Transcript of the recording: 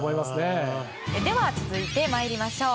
では続いて参りましょう。